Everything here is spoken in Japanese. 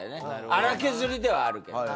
粗削りではあるけど。